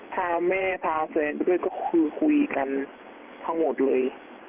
พาแม่พาแฟนไปด้วยก็คือคุยกันทั้งหมดเลย